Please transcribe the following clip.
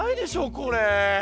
これ。